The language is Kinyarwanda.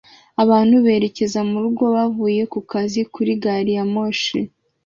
Abantu berekeza murugo bavuye kukazi kuri gariyamoshi